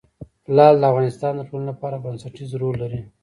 لعل د افغانستان د ټولنې لپاره بنسټيز رول لري.